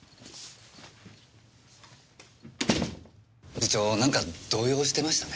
部長何か動揺してましたね。